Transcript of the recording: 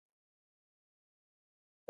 سلیمان غر د افغانستان د ملي هویت نښه ده.